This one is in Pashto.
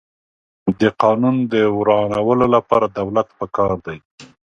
د قانون د ورانولو لپاره دولت پکار دی.